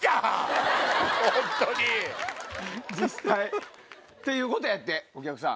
おまえ。っていうことやってお客さん。